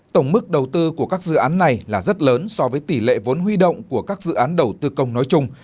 tổng mức đầu tư của các dự án này là rất lớn so với tỷ lệ vốn huy động của các dự án đầu tư công nói chung